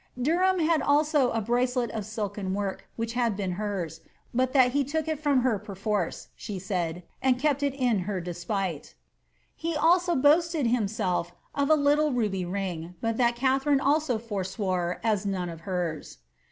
* Derham had also a bracelet of silken work which had been hen, " but that he took from her perforce," she said, ^ and kept in her despite.^ He also boasted himself of a little ruby ring, but that Katharine also forswore " as none of hers."